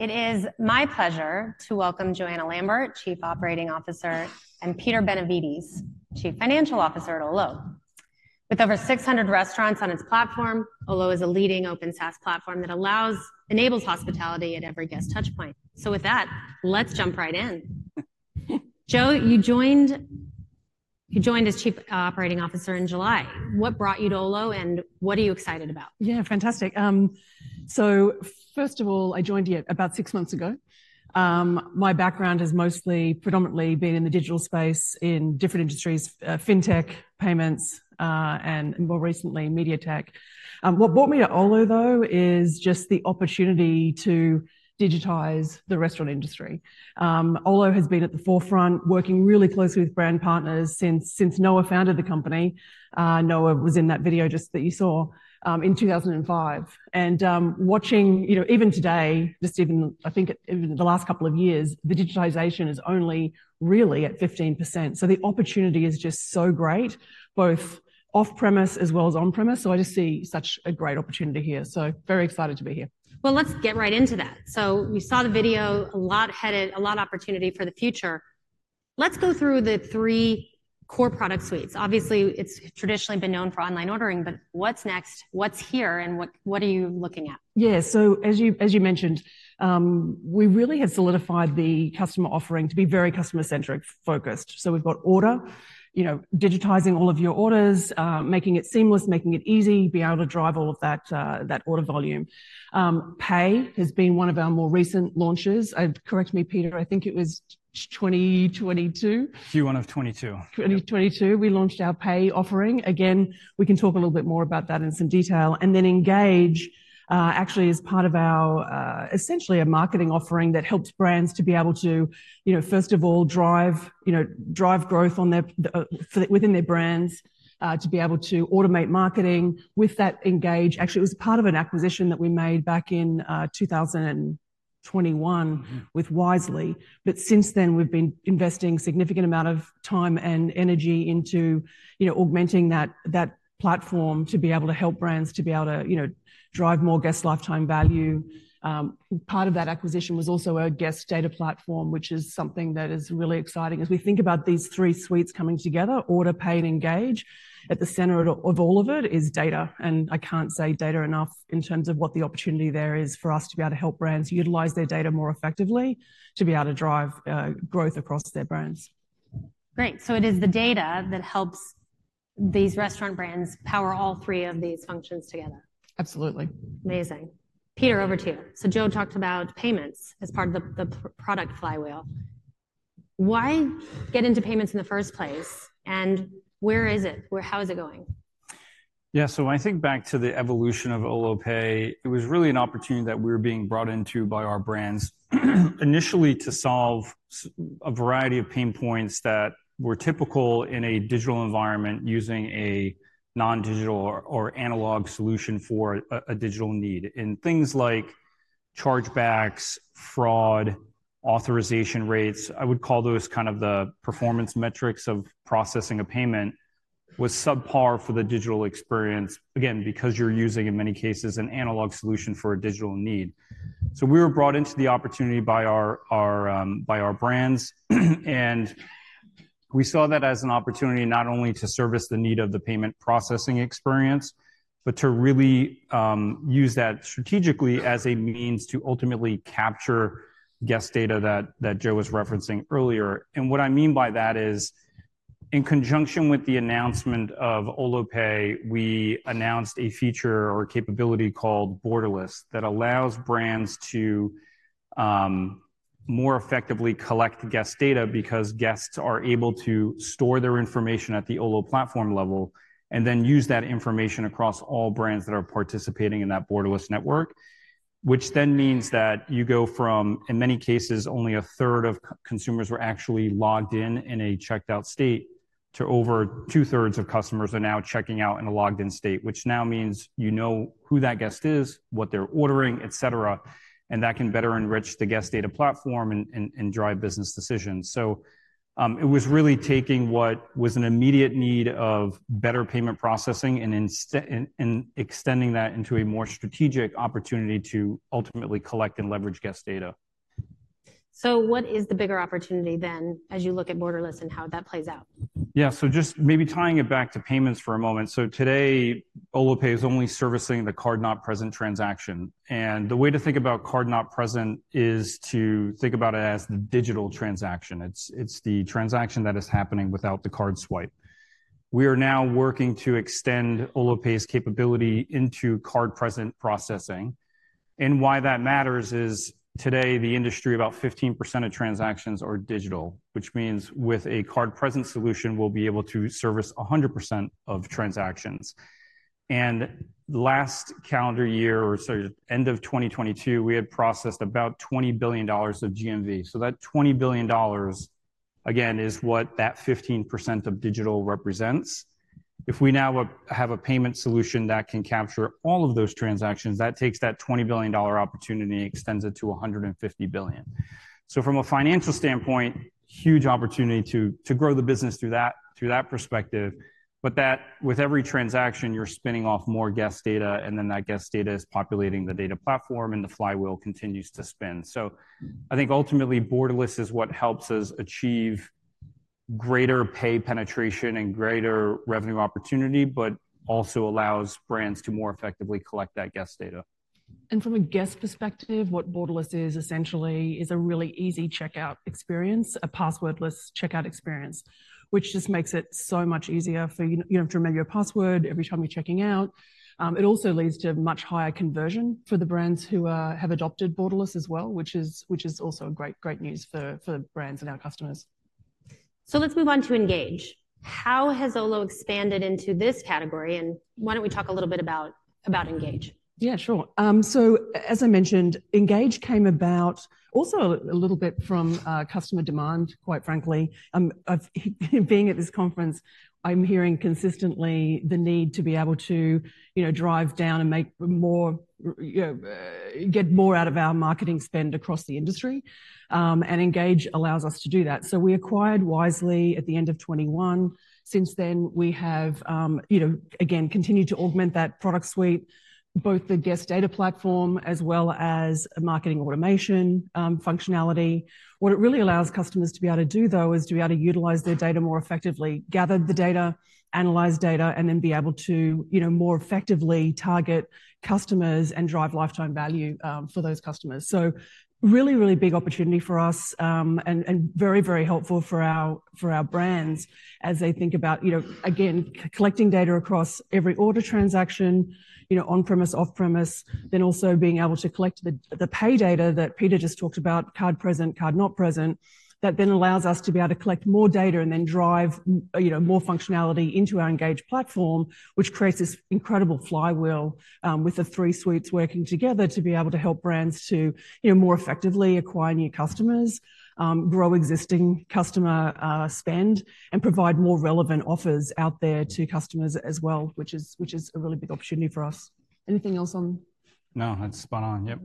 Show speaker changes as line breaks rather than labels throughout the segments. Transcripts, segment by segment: It is my pleasure to welcome Joanna Lambert, Chief Operating Officer, and Peter Benevides, Chief Financial Officer at Olo. With over 600 restaurants on its platform, Olo is a leading open SaaS platform that allows- enables hospitality at every guest touch point. So with that, let's jump right in. Jo, you joined, you joined as Chief Operating Officer in July. What brought you to Olo, and what are you excited about?
Yeah, fantastic. So first of all, I joined here about six months ago. My background is mostly predominantly been in the digital space, in different industries, fintech, payments, and more recently, media tech. What brought me to Olo, though, is just the opportunity to digitize the restaurant industry. Olo has been at the forefront, working really closely with brand partners since Noah founded the company. Noah was in that video just that you saw, in 2005. And, watching, you know, even today, just even I think even the last couple of years, the digitization is only really at 15%. So the opportunity is just so great, both off-premise as well as on-premise. So I just see such a great opportunity here. So very excited to be here.
Well, let's get right into that. So we saw the video, a lot ahead, a lot of opportunity for the future. Let's go through the three core product suites. Obviously, it's traditionally been known for online ordering, but what's next? What's here, and what are you looking at?
Yeah. So as you, as you mentioned, we really have solidified the customer offering to be very customer-centric focused. So we've got order, you know, digitizing all of your orders, making it seamless, making it easy, being able to drive all of that, that order volume. Pay has been one of our more recent launches. Correct me, Peter, I think it was 2022?
Q1 of 2022.
2022, we launched our Pay offering. Again, we can talk a little bit more about that in some detail. And then Engage, actually is part of our, essentially a marketing offering that helps brands to be able to, you know, first of all, drive, you know, drive growth on their, for within their brands, to be able to automate marketing with that Engage. Actually, it was part of an acquisition that we made back in, 2021 with Wisely, but since then, we've been investing significant amount of time and energy into, you know, augmenting that, that platform to be able to help brands to be able to, you know, drive more guest lifetime value. Part of that acquisition was also a guest data platform, which is something that is really exciting. As we think about these three suites coming together, Order, Pay, and Engage, at the center of all of it is data, and I can't say data enough in terms of what the opportunity there is for us to be able to help brands utilize their data more effectively, to be able to drive growth across their brands.
Great. So it is the data that helps these restaurant brands power all three of these functions together?
Absolutely.
Amazing. Peter, over to you. So Jo talked about payments as part of the product flywheel. Why get into payments in the first place, and where is it? How is it going?
Yeah. So when I think back to the evolution of Olo Pay, it was really an opportunity that we were being brought into by our brands, initially to solve a variety of pain points that were typical in a digital environment, using a non-digital or analog solution for a digital need. And things like chargebacks, fraud, authorization rates, I would call those kind of the performance metrics of processing a payment, was subpar for the digital experience, again, because you're using, in many cases, an analog solution for a digital need. So we were brought into the opportunity by our brands, and we saw that as an opportunity not only to service the need of the payment processing experience, but to really use that strategically as a means to ultimately capture guest data that Jo was referencing earlier. What I mean by that is, in conjunction with the announcement of Olo Pay, we announced a feature or capability called Borderless that allows brands to more effectively collect guest data because guests are able to store their information at the Olo platform level and then use that information across all brands that are participating in that Borderless network. Which then means that you go from, in many cases, only a third of consumers were actually logged in a checked-out state, to over two-thirds of customers are now checking out in a logged-in state, which now means you know who that guest is, what they're ordering, et cetera, and that can better enrich the Guest Data Platform and drive business decisions. It was really taking what was an immediate need of better payment processing and extending that into a more strategic opportunity to ultimately collect and leverage guest data.
What is the bigger opportunity then, as you look at Borderless and how that plays out?
Yeah. So just maybe tying it back to payments for a moment. So today, Olo Pay is only servicing the card-not-present transaction, and the way to think about card-not-present is to think about it as the digital transaction. It's, it's the transaction that is happening without the card swipe. We are now working to extend Olo Pay's capability into card-present processing, and why that matters is today, the industry, about 15% of transactions are digital, which means with a card-present solution, we'll be able to service 100% of transactions. And last calendar year, or sorry, end of 2022, we had processed about $20 billion of GMV. So that $20 billion, again, is what that 15% of digital represents. If we now have a payment solution that can capture all of those transactions, that takes that $20 billion opportunity and extends it to $150 billion. So from a financial standpoint, huge opportunity to grow the business through that perspective. But that with every transaction, you're spinning off more guest data, and then that guest data is populating the data platform, and the flywheel continues to spin. So I think ultimately, Borderless is what helps us achieve greater Pay penetration and greater revenue opportunity, but also allows brands to more effectively collect that guest data.
From a guest perspective, what Borderless is essentially is a really easy checkout experience, a passwordless checkout experience, which just makes it so much easier for you. You don't have to remember your password every time you're checking out. It also leads to much higher conversion for the brands who have adopted Borderless as well, which is also a great, great news for brands and our customers.
So let's move on to Engage. How has Olo expanded into this category, and why don't we talk a little bit about Engage?
Yeah, sure. So as I mentioned, Engage came about also a little bit from customer demand, quite frankly. Of being at this conference, I'm hearing consistently the need to be able to, you know, drive down and make more, get more out of our marketing spend across the industry. And Engage allows us to do that. So we acquired Wisely at the end of 2021. Since then, we have, you know, again, continued to augment that product suite, both the Guest Data Platform as well as marketing automation functionality. What it really allows customers to be able to do, though, is to be able to utilize their data more effectively, gather the data, analyze data, and then be able to, you know, more effectively target customers and drive lifetime value for those customers. So really, really big opportunity for us, and very very helpful for our brands as they think about, you know, again, collecting data across every order transaction, you know, on-premise, off-premise, then also being able to collect the Pay data that Peter just talked about, card present, card not present. That then allows us to be able to collect more data and then drive, you know, more functionality into our Engage platform, which creates this incredible flywheel with the three suites working together to be able to help brands to, you know, more effectively acquire new customers, grow existing customer spend, and provide more relevant offers out there to customers as well, which is a really big opportunity for us. Anything else on-
No, that's spot on. Yep.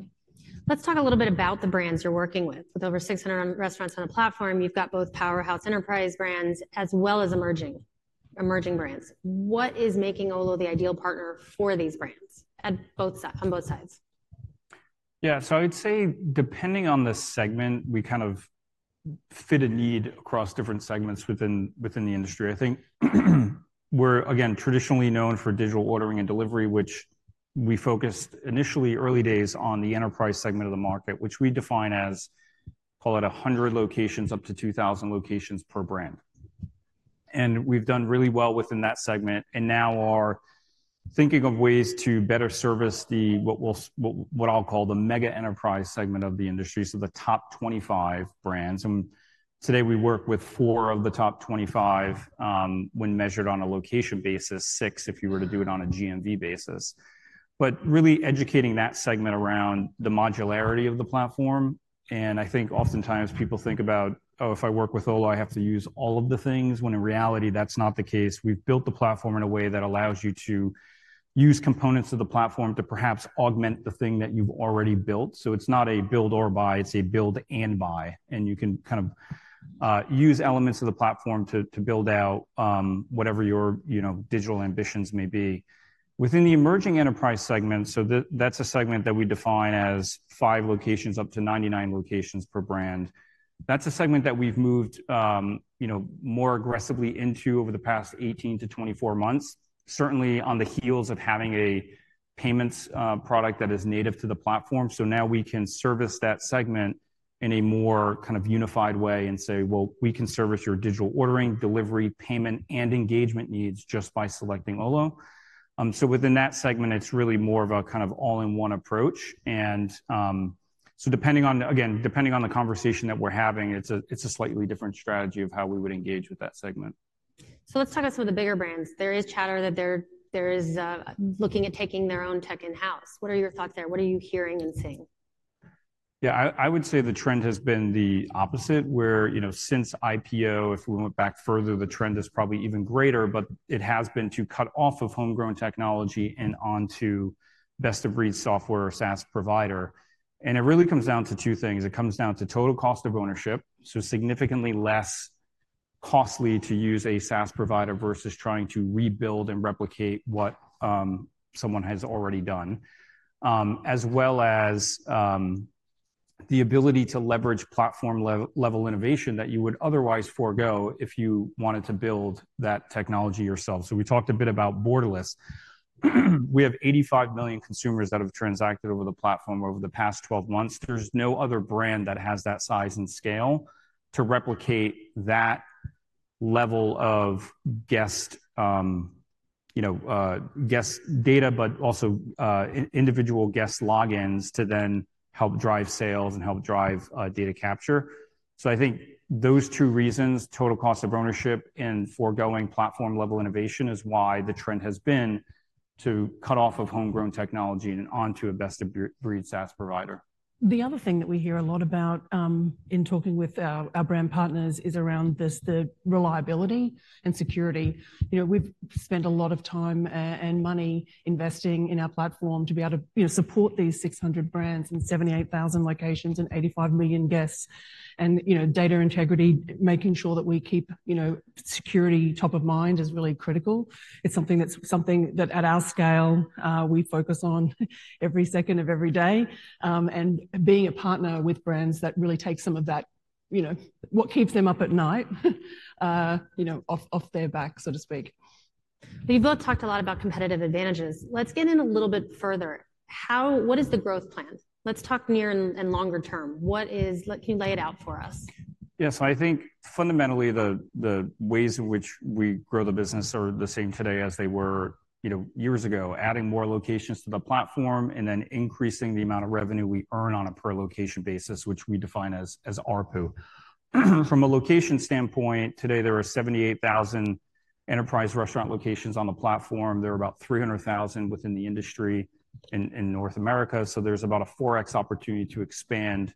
Let's talk a little bit about the brands you're working with. With over 600 restaurants on the platform, you've got both powerhouse enterprise brands as well as emerging, emerging brands. What is making Olo the ideal partner for these brands at both sides, on both sides?
Yeah. So I'd say depending on the segment, we kind of fit a need across different segments within the industry. I think, we're again, traditionally known for digital ordering and delivery, which we focused initially early days on the enterprise segment of the market, which we define as, call it 100 locations, up to 2,000 locations per brand. And we've done really well within that segment and now are thinking of ways to better service the, what I'll call the mega enterprise segment of the industry, so the top 25 brands. Today we work with four of the top 25, when measured on a location basis, six if you were to do it on a GMV basis. But really educating that segment around the modularity of the platform and I think oftentimes people think about, "Oh, if I work with Olo, I have to use all of the things," when in reality that's not the case. We've built the platform in a way that allows you to use components of the platform to perhaps augment the thing that you've already built. So it's not a build or buy, it's a build and buy, and you can kind of use elements of the platform to build out whatever your, you know, digital ambitions may be. Within the emerging enterprise segment, that's a segment that we define as five locations, up to 99 locations per brand. That's a segment that we've moved, you know, more aggressively into over the past 18-24 months, certainly on the heels of having a payments product that is native to the platform. So now we can service that segment in a more kind of unified way and say, "Well, we can service your digital ordering, delivery, payment, and engagement needs just by selecting Olo." So within that segment, it's really more of a kind of all-in-one approach. And so depending on, again, depending on the conversation that we're having, it's a, it's a slightly different strategy of how we would engage with that segment.
So let's talk about some of the bigger brands. There is chatter that they're looking at taking their own tech in-house. What are your thoughts there? What are you hearing and seeing?
Yeah, I would say the trend has been the opposite, where, you know, since IPO, if we went back further, the trend is probably even greater, but it has been to cut off of homegrown technology and onto best-of-breed software or SaaS provider. And it really comes down to two things. It comes down to total cost of ownership, so significantly less costly to use a SaaS provider versus trying to rebuild and replicate what someone has already done. As well as the ability to leverage platform level innovation that you would otherwise forgo if you wanted to build that technology yourself. So we talked a bit about Borderless. We have 85 million consumers that have transacted over the platform over the past 12 months. There's no other brand that has that size and scale to replicate that level of guest, you know, guest data, but also, individual guest logins to then help drive sales and help drive, data capture. So I think those two reasons, total cost of ownership and foregoing platform-level innovation, is why the trend has been, to cut off of homegrown technology and onto a best-of-breed SaaS provider.
The other thing that we hear a lot about in talking with our brand partners is around this, the reliability and security. You know, we've spent a lot of time and money investing in our platform to be able to, you know, support these 600 brands and 78,000 locations and 85 million guests. And, you know, data integrity, making sure that we keep, you know, security top of mind is really critical. It's something that at our scale, we focus on every second of every day. And being a partner with brands that really take some of that, you know, what keeps them up at night, you know, off their back, so to speak.
Well, you've both talked a lot about competitive advantages. Let's get in a little bit further. What is the growth plan? Let's talk near and longer term. Like, can you lay it out for us?
Yes. So I think fundamentally, the ways in which we grow the business are the same today as they were, you know, years ago, adding more locations to the platform and then increasing the amount of revenue we earn on a per location basis, which we define as ARPU. From a location standpoint, today, there are 78,000 enterprise restaurant locations on the platform. There are about 300,000 within the industry in North America, so there's about a 4x opportunity to expand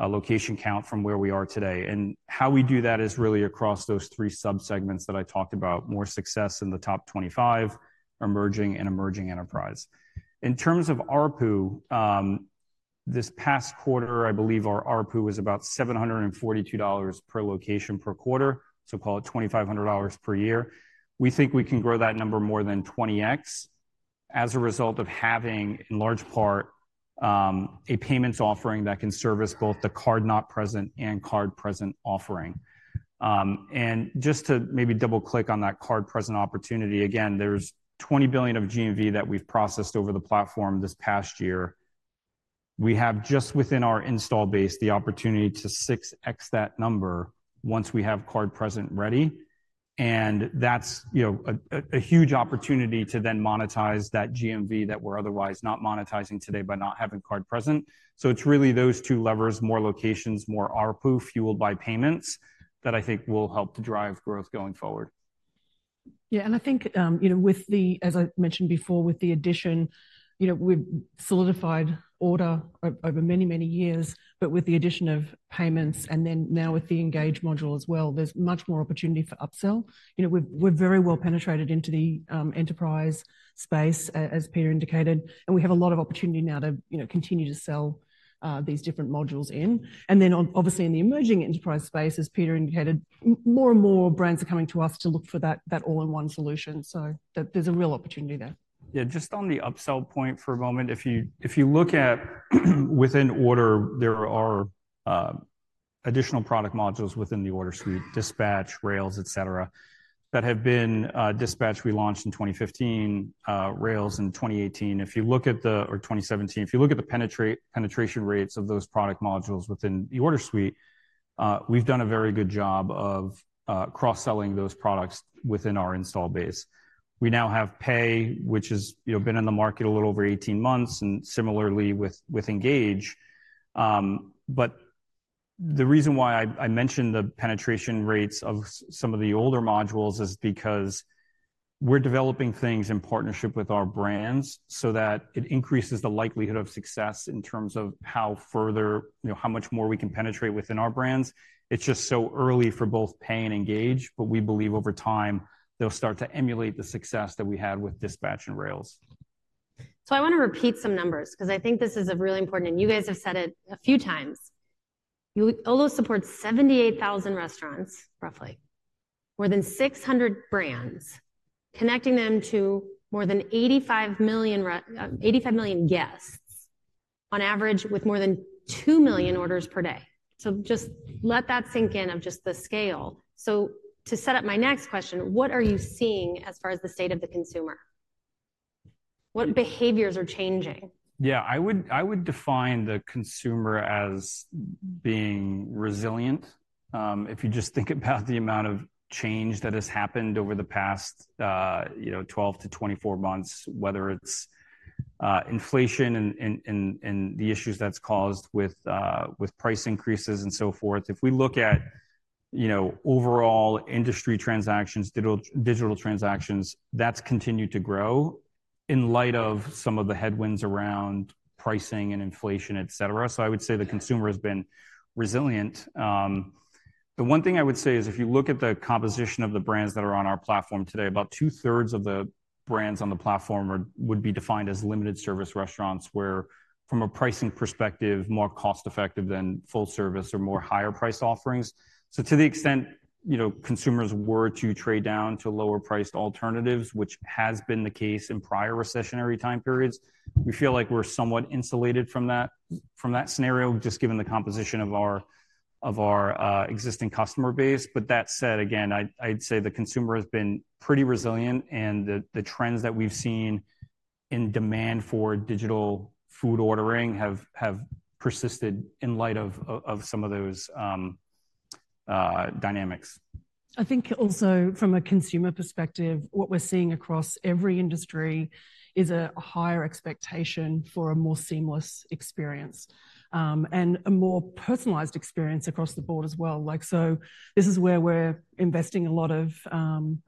a location count from where we are today. And how we do that is really across those three subsegments that I talked about, more success in the top 25, emerging and emerging enterprise. In terms of ARPU, this past quarter, I believe our ARPU was about $742 per location per quarter, so call it $2,500 per year. We think we can grow that number more than 20x as a result of having, in large part, a payments offering that can service both the card-not-present and card-present offering. And just to maybe double-click on that card-present opportunity, again, there's $20 billion of GMV that we've processed over the platform this past year. We have, just within our install base, the opportunity to 6x that number once we have card present ready, and that's, you know, a huge opportunity to then monetize that GMV that we're otherwise not monetizing today by not having card present. So it's really those two levers, more locations, more ARPU, fueled by payments, that I think will help to drive growth going forward.
Yeah, and I think, you know, with the, as I mentioned before, with the addition, you know, we've solidified Order over many, many years. But with the addition of payments, and then now with the Engage module as well, there's much more opportunity for upsell. You know, we've, we're very well penetrated into the, enterprise space as Peter indicated, and we have a lot of opportunity now to, you know, continue to sell, these different modules in. And then on, obviously, in the emerging enterprise space, as Peter indicated, more and more brands are coming to us to look for that, that all-in-one solution, so there, there's a real opportunity there.
Yeah, just on the upsell point for a moment, if you look at, within Order, there are additional product modules within the Order suite, Dispatch, Rails, etc., that have been, Dispatch we launched in 2015, Rails in 2018. If you look at the- or 2017. If you look at the penetration rates of those product modules within the Order suite, we've done a very good job of cross-selling those products within our install base. We now have Pay, which has, you know, been in the market a little over 18 months, and similarly with Engage. But the reason why I mentioned the penetration rates of some of the older modules is because we're developing things in partnership with our brands so that it increases the likelihood of success in terms of how further, you know, how much more we can penetrate within our brands. It's just so early for both Pay and Engage, but we believe over time they'll start to emulate the success that we had with Dispatch and Rails.
So I want to repeat some numbers because I think this is a really important, and you guys have said it a few times. Olo supports 78,000 restaurants, roughly, more than 600 brands, connecting them to more than 85 million guests, on average, with more than 2 million orders per day. So just let that sink in of just the scale. So to set up my next question: What are you seeing as far as the state of the consumer? What behaviors are changing?
Yeah, I would define the consumer as being resilient. If you just think about the amount of change that has happened over the past, you know, 12-24 months, whether it's inflation and the issues that's caused with price increases and so forth. If we look at, you know, overall industry transactions, digital transactions, that's continued to grow in light of some of the headwinds around pricing and inflation, etc. So I would say the consumer has been resilient. The one thing I would say is, if you look at the composition of the brands that are on our platform today, about two-thirds of the brands on the platform are—would be defined as limited-service restaurants, where from a pricing perspective, more cost-effective than full service or more higher-priced offerings. So to the extent, you know, consumers were to trade down to lower-priced alternatives, which has been the case in prior recessionary time periods, we feel like we're somewhat insulated from that, from that scenario, just given the composition of our existing customer base. But that said, again, I'd say the consumer has been pretty resilient, and the trends that we've seen in demand for digital food ordering have persisted in light of some of those dynamics.
I think also from a consumer perspective, what we're seeing across every industry is a higher expectation for a more seamless experience, and a more personalized experience across the board as well. Like, so this is where we're investing a lot of,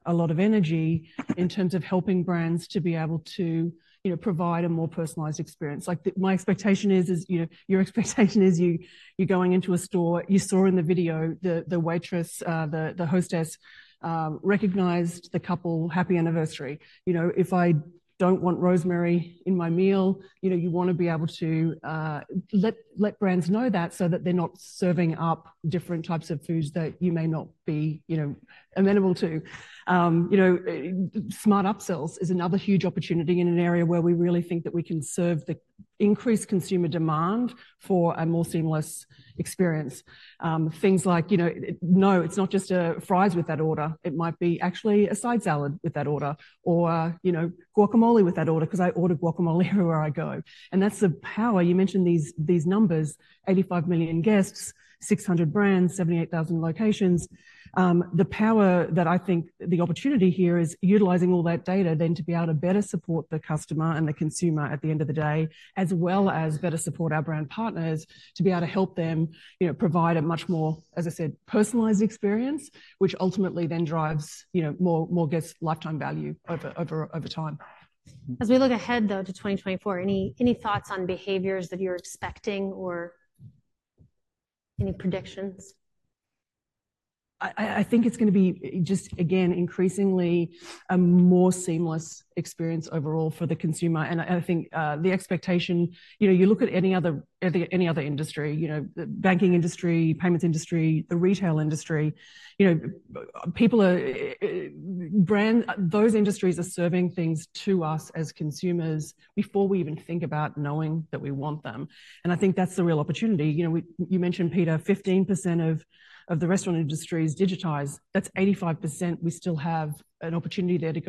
a lot of energy in terms of helping brands to be able to, you know, provide a more personalized experience. Like, my expectation is, you know, your expectation is you, you're going into a store, you saw in the video the waitress, the hostess, recognized the couple, "Happy anniversary." You know, if I don't want rosemary in my meal, you know, you want to be able to let brands know that so that they're not serving up different types of foods that you may not be, you know, amenable to. You know, smart upsells is another huge opportunity in an area where we really think that we can serve the increased consumer demand for a more seamless experience. Things like, you know, no, it's not just, fries with that order, it might be actually a side salad with that order or, you know, guacamole with that order, 'cause I order guacamole everywhere I go. And that's the power. You mentioned these, these numbers, 85 million guests, 600 brands, 78,000 locations. The power that I think the opportunity here is utilizing all that data then to be able to better support the customer and the consumer at the end of the day, as well as better support our brand partners to be able to help them, you know, provide a much more, as I said, personalized experience, which ultimately then drives, you know, more guest lifetime value over time.
As we look ahead, though, to 2024, any thoughts on behaviors that you're expecting or any predictions?
I think it's gonna be just, again, increasingly a more seamless experience overall for the consumer. And I think the expectation, you know, you look at any other industry, you know, the banking industry, payments industry, the retail industry, you know, people are those industries are serving things to us as consumers before we even think about knowing that we want them, and I think that's the real opportunity. You know, you mentioned, Peter, 15% of the restaurant industry is digitized. That's 85% we still have an opportunity there to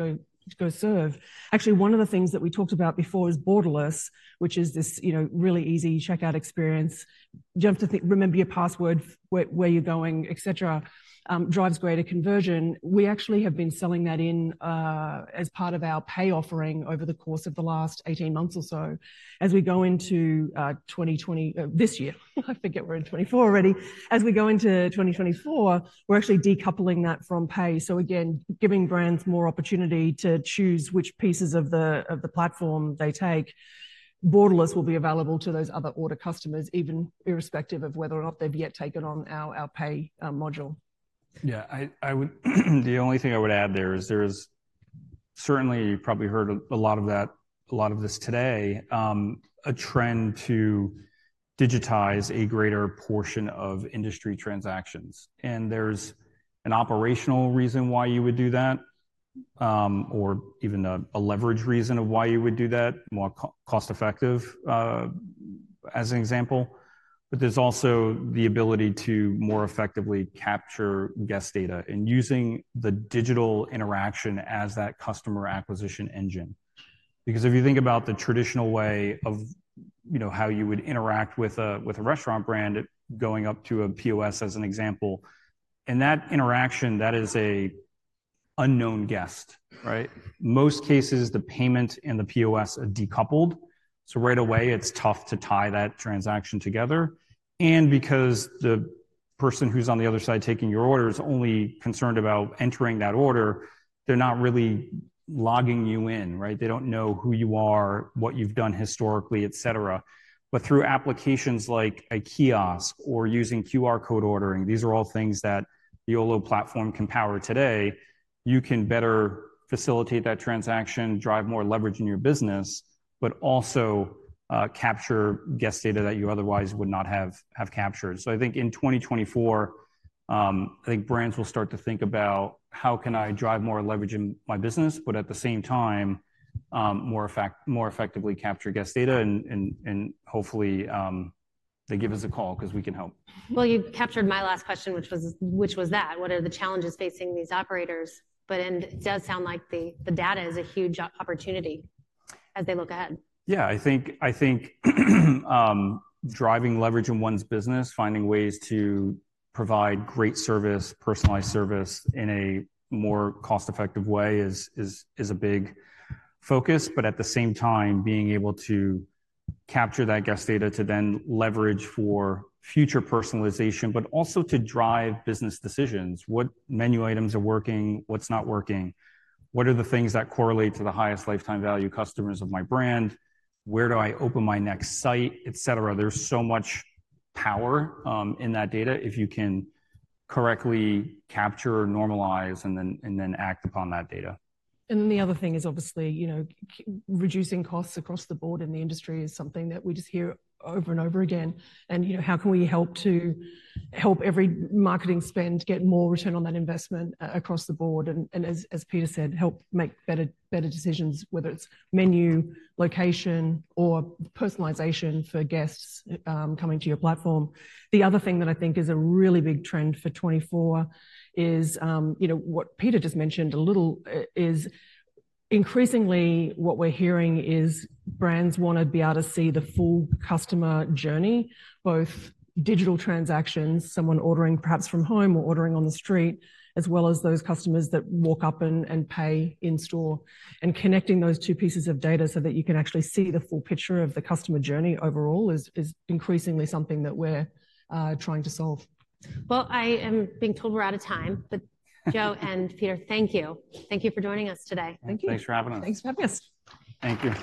go serve. Actually, one of the things that we talked about before is Borderless, which is this, you know, really easy checkout experience. You have to think, remember your password, where you're going, et cetera, drives greater conversion. We actually have been selling that in as part of our Pay offering over the course of the last 18 months or so. As we go into this year, I forget we're in 2024 already. As we go into 2024, we're actually decoupling that from Pay. So again, giving brands more opportunity to choose which pieces of the platform they take. Borderless will be available to those other Order customers, even irrespective of whether or not they've yet taken on our Pay module.
Yeah, I would—the only thing I would add there is there's certainly, you probably heard a lot of that, a lot of this today, a trend to digitize a greater portion of industry transactions. And there's an operational reason why you would do that, or even a, a leverage reason of why you would do that, more cost effective, as an example. But there's also the ability to more effectively capture guest data and using the digital interaction as that customer acquisition engine. Because if you think about the traditional way of, you know, how you would interact with a, with a restaurant brand going up to a POS as an example, and that interaction, that is a unknown guest, right? Most cases, the payment and the POS are decoupled, so right away it's tough to tie that transaction together. Because the person who's on the other side taking your order is only concerned about entering that order, they're not really logging you in, right? They don't know who you are, what you've done historically, et cetera. But through applications like a kiosk or using QR code ordering, these are all things that the Olo platform can power today. You can better facilitate that transaction, drive more leverage in your business, but also capture guest data that you otherwise would not have captured. So I think in 2024, I think brands will start to think about: How can I drive more leverage in my business, but at the same time, more effectively capture guest data? And hopefully, they give us a call 'cause we can help.
Well, you captured my last question, which was that, what are the challenges facing these operators? But it does sound like the data is a huge opportunity as they look ahead.
Yeah, I think driving leverage in one's business, finding ways to provide great service, personalized service in a more cost-effective way is a big focus. But at the same time, being able to capture that guest data to then leverage for future personalization, but also to drive business decisions. What menu items are working? What's not working? What are the things that correlate to the highest lifetime value customers of my brand? Where do I open my next site? Et cetera. There's so much power in that data if you can correctly capture, normalize, and then act upon that data.
And the other thing is obviously, you know, reducing costs across the board in the industry is something that we just hear over and over again. And, you know, how can we help to help every marketing spend get more return on that investment across the board? And as Peter said, help make better, better decisions, whether it's menu, location, or personalization for guests coming to your platform. The other thing that I think is a really big trend for 2024 is, you know, what Peter just mentioned a little, is increasingly what we're hearing is brands wanna be able to see the full customer journey, both digital transactions, someone ordering perhaps from home or ordering on the street, as well as those customers that walk up and pay in store. Connecting those two pieces of data so that you can actually see the full picture of the customer journey overall is increasingly something that we're trying to solve.
Well, I am being told we're out of time. But Jo and Peter, thank you. Thank you for joining us today.
Thank you.
Thanks for having us.
Thanks for having us.
Thank you.